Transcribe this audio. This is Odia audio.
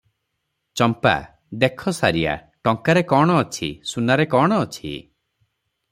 ଚମ୍ପା - "ଦେଖ ସାରିଆ, ଟଙ୍କାରେ କଣ ଅଛି ସୁନାରେ କଣ ଅଛି?